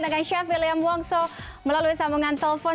kita berbincang dengan chef william wongso melalui sambungan telepon